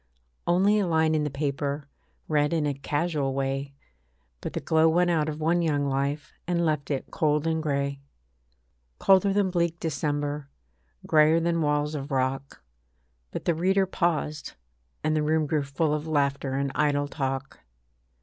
Only a line in the paper, Read in a casual way, But the glow went out of one young life, And left it cold and grey. Colder than bleak December, Greyer than walls of rock, But the reader paused, and the room grew full Of laughter and idle talk.